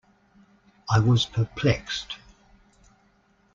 I was perplexed.